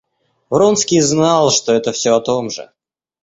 Вронский знал, что это всё о том же.